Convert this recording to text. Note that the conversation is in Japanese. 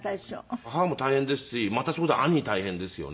母も大変ですしまたそこで兄大変ですよね。